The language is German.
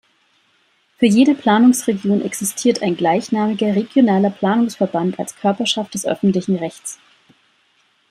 Für jede Planungsregion existiert ein gleichnamiger Regionaler Planungsverband als Körperschaft des öffentlichen Rechts.